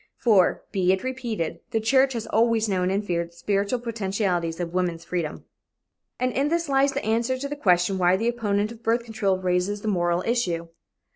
For, be it repeated, the church has always known and feared the spiritual potentialities of woman's freedom. And in this lies the answer to the question why the opponent of birth control raises the moral issue.